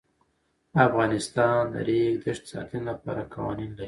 افغانستان د د ریګ دښتې د ساتنې لپاره قوانین لري.